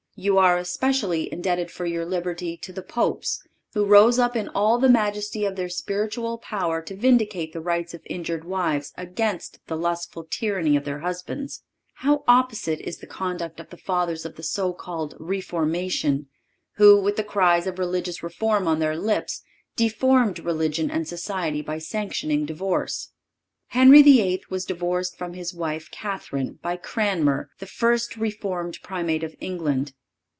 You are especially indebted for your liberty to the Popes who rose up in all the majesty of their spiritual power to vindicate the rights of injured wives against the lustful tyranny of their husbands. How opposite is the conduct of the fathers of the so called Reformation, who, with the cry of religious reform on their lips, deformed religion and society by sanctioning divorce. Henry VIII. was divorced from his wife, Catherine, by Cranmer, the first Reformed Primate of England.